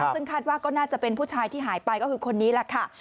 ซึ่งคาดว่าก็น่าจะเป็นผู้ชายที่หายไปก็คือคนนี้แหละค่ะ